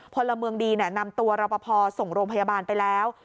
พลเมืองดีนำตัวรอปภส่งโรงพยาบาลไปแล้ว